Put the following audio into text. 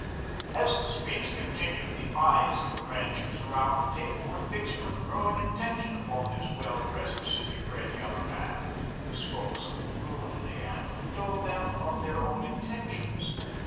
As the speech continued, the eyes of the ranchers around the table were fixed with growing attention upon this well dressed, city bred young man, who spoke so fluently and who told them of their own intentions.